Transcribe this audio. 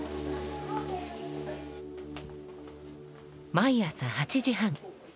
毎朝８時半救急